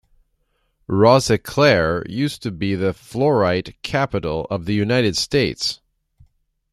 Rosiclare used to be the fluorite capital of the United States.